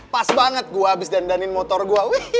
pas banget gue habis dandanin motor gue